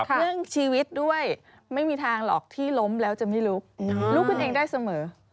เรื่องชีวิตด้วยไม่มีทางหรอกที่ล้มแล้วจะไม่ลุกลุกขึ้นเองได้เสมอ